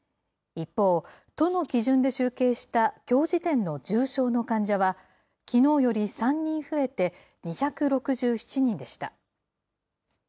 一方、都の基準で集計したきょう時点の重症の患者は、きのうより３人増えて２６７人でした。